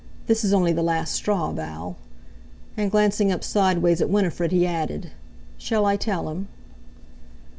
This is only the last straw, Val." And glancing up sideways at Winifred, he added: "Shall I tell him?"